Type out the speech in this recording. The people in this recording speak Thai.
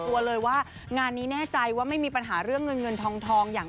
แล้วมีบัญชีสินสอนหรือยังครับบ้าง